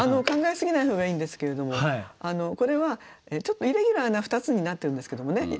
考え過ぎない方がいいんですけれどもこれはちょっとイレギュラーな２つになってるんですけどもね